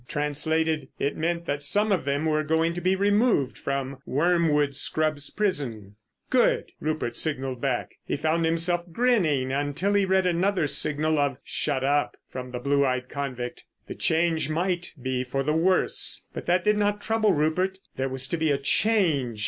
Translated, it meant that some of them were going to be removed from Wormwood Scrubbs prison. "Good," Rupert signalled back. He found himself grinning until he read another signal of "Shut up!" from the blue eyed convict. The change might be for the worse, but that did not trouble Rupert. There was to be a change!